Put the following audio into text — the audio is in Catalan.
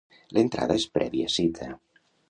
L'entrada és prèvia cita.